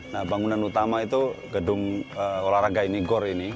nah bangunan utama itu gedung olahraga ini gor ini